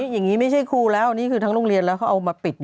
อย่างนี้ไม่ใช่ครูแล้วอันนี้คือทั้งโรงเรียนแล้วเขาเอามาปิด